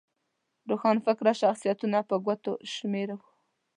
روښانفکره شخصیتونه په ګوتو شمېر وو.